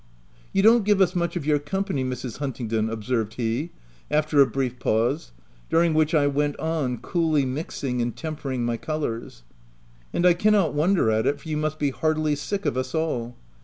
" You don't give us much of your company, Mrs. Huntingdon/' observed he, after a brief pause, during which I went on coolly mixing and tempering my colours ;" and I cannot wonder at it, for you must be heartily sick of us all.